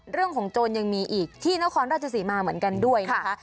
โจรยังมีอีกที่นครราชสีมาเหมือนกันด้วยนะคะ